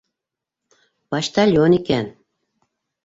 Почтальон икән.